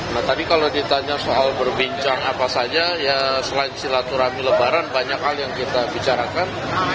nah tadi kalau ditanya soal berbincang apa saja ya selain silaturahmi lebaran banyak hal yang kita bicarakan